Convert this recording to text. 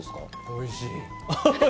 おいしい！